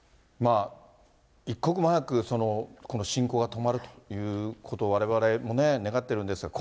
一刻も早くこの侵攻が止まるということをわれわれもね、願っているんですけど。